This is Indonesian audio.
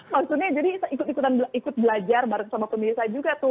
maksudnya jadi ikut ikutan ikut belajar bareng sama pemirsa juga tuh